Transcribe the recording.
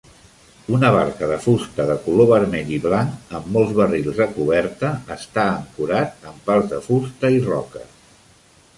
Una barca de fusta de color vermell i blanc amb molts barrils a coberta està ancorat amb pals de fusta i roques.